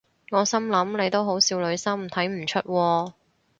我心諗你都好少女心睇唔出喎